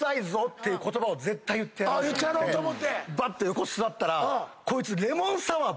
ばって横座ったらこいつ。